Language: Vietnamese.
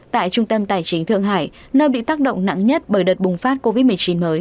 tại trung tâm tài chính thượng hải nơi bị tác động nặng nhất bởi đợt bùng phát covid một mươi chín mới